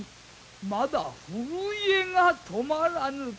まだ震えが止まらぬか。